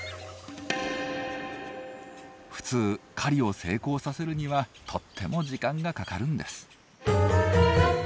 普通狩りを成功させるにはとっても時間がかかるんです。